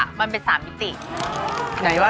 แปะโลโก้ไทยรัสทีวีลงไป